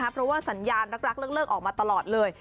เพราะว่าสัญญาณรักเลิกออกมาตลอดเลย